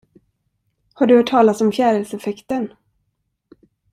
Har du hört talas om fjärilseffekten?